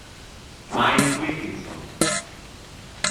Mike Wilkinson